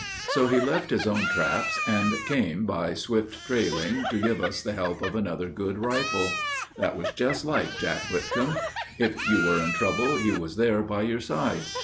So he left his own traps and came by swift trailing To give us the help of another good rifle. That was just like Jack Whitcomb. If you were in trouble He was there by your side.